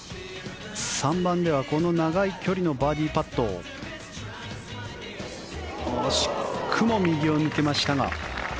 ３番ではこの長い距離のバーディーパット惜しくも右を抜けましたが。